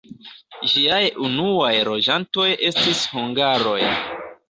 Ĝiaj unuaj loĝantoj estis hungaroj.